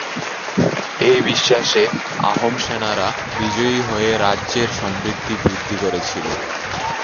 এই বিশ্বাসে আহোম সেনারা বিজয়ী হয়ে রাজ্যের সমৃদ্ধি বিস্তার করেছিল।